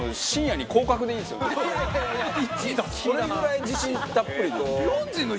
それぐらい自信たっぷり。